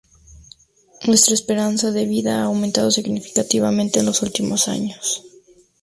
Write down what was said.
Nuestra esperanza de vida ha aumentado significativamente en los últimos años.